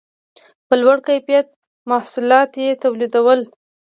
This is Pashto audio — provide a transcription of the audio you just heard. په لوړ کیفیت محصولات یې تولیدول.